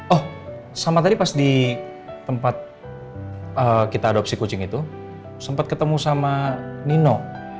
oh sama tadi pas di tempat kita adopsi kucing itu sempat ketemu sama nino